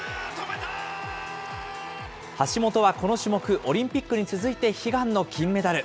橋本はこの種目、オリンピックに続いて悲願の金メダル。